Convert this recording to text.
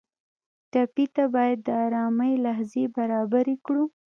ټپي ته باید د ارامۍ لحظې برابرې کړو.